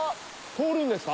通るんですか？